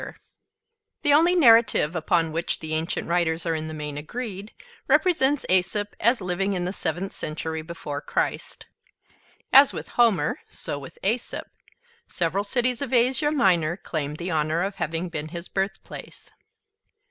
[Illustration: Aesop] The only narrative upon which the ancient writers are in the main agreed represents Aesop as living in the seventh century before Christ. As with Homer, so with Aesop, several cities of Asia Minor claimed the honor of having been his birthplace.